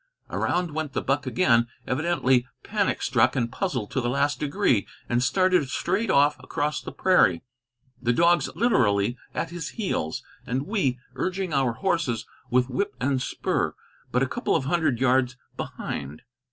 Around went the buck again, evidently panic struck and puzzled to the last degree, and started straight off across the prairie, the dogs literally at his heels, and we, urging our horses with whip and spur, but a couple of hundred yards behind.